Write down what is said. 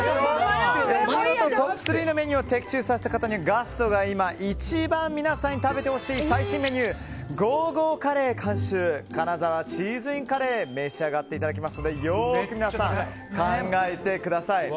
見事トップ３のメニューを的中させた方にはガストが今、一番皆さんに食べてほしい最新メニューゴーゴーカレー監修金沢チーズＩＮカレー召し上がっていただきますのでよく皆さん考えてください。